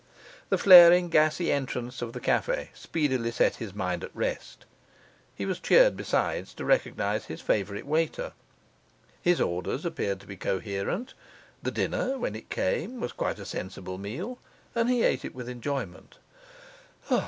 The flaring, gassy entrance of the cafe speedily set his mind at rest; he was cheered besides to recognize his favourite waiter; his orders appeared to be coherent; the dinner, when it came, was quite a sensible meal, and he ate it with enjoyment.